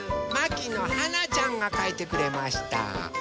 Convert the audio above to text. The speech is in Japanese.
まきのはなちゃんがかいてくれました。